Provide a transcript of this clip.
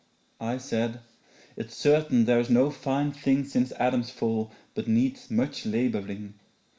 I said, 'It's certain there is no fine thing Since Adam's fall but needs much labouring.